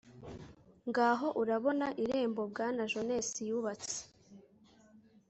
Ngaho urabona irembo Bwana Jones yubatse